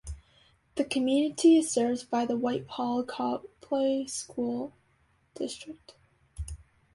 The community is served by the Whitehall-Coplay School District.